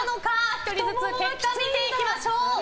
１人ずつ結果を見ていきましょう。